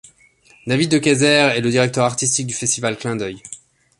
David de Keyzer est le directeur artistique du Festival Clin d’œil.